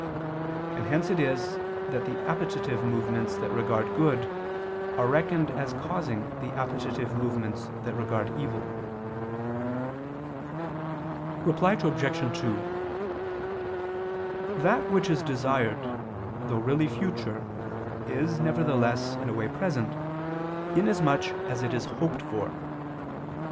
And hence it is that the appetitive movements that regard good, are reckoned as causing the appetitive movements that regard evil. Reply Obj. 2: That which is desired, though really future, is, nevertheless, in a way, present, inasmuch as it is hoped for.